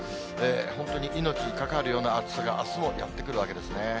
本当に命に関わるような暑さがあすもやって来るわけですね。